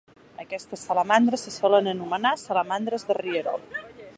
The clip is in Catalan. Aquestes salamandres se solen anomenar "salamandres de rierol".